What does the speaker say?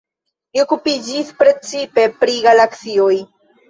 Li okupiĝis precipe pri galaksioj.